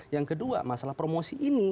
yang kedua masalah promosi ini